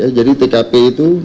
tkp jadi tkp itu